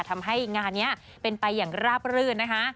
ทำให้งานนี้เป็นไปอย่างราบรื่นนะคะ